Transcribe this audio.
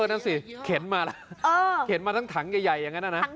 เออนั่นสิเข็นมาทั้งถังใหญ่อย่างนั้นนะ